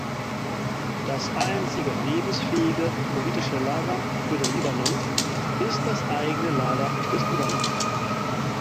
Das einzige lebensfähige politische Lager für den Libanon ist das eigene Lager des Libanon.